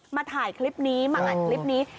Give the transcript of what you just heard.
มาถ่ายคลิปนี้มาอัดคลิปนี้